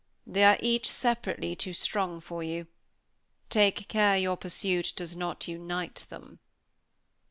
They are each separately too strong for you; take care your pursuit does not unite them."